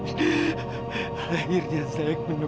lahirnya saya menemukan anakku juga ya allah